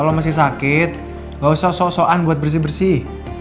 kalo lo masih sakit gak usah sok sokan buat bersih bersih